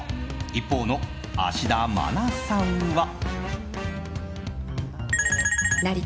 一方の芦田愛菜さんは。